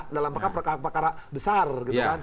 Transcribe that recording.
dalam perkara perkara besar gitu kan